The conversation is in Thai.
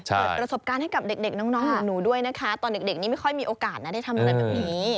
เปิดประสบการณ์ให้กับเด็กน้องหนูด้วยนะคะตอนเด็กนี้ไม่ค่อยมีโอกาสนะได้ทำอะไรแบบนี้